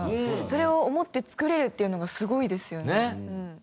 それを思って作れるっていうのがすごいですよね。